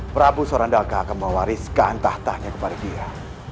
prabu sorandaka akan mewariskan tahtanya kepada dia